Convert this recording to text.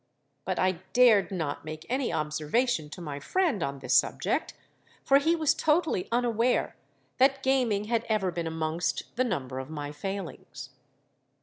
But I dared not make any observation to my friend on the subject; for he was totally unaware that gaming had ever been amongst the number of my failings.